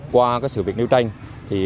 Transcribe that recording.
qua sự việc nêu tranh